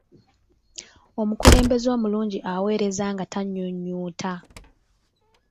Omukulembeze omulungi aweereza nga tanyuunyuuta.